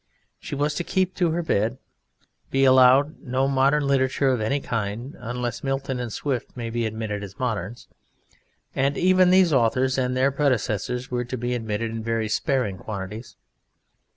She was to keep her bed, to be allowed no modern literature of any kind, unless Milton and Swift may be admitted as moderns, and even these authors and their predecessors were to be admitted in very sparing quantities.